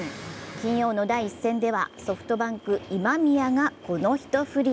金曜の第１戦ではソフトバンク今宮この一振り。